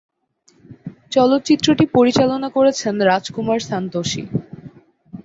চলচ্চিত্রটি পরিচালনা করেছেন রাজকুমার সান্তোষি।